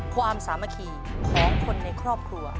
ความสามัคคีของคนในครอบครัว